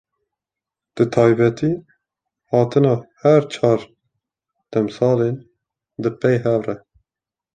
Bi taybetî hatina her çar demsalan di pey hev re.